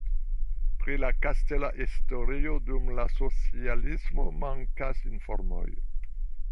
Pri la kastela historio dum la socialismo mankas informoj.